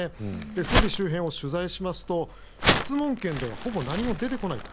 総理周辺を取材しますと質問権ではほぼ何も出てこないと。